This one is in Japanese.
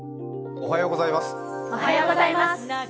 おはようございます。